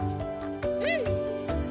うん！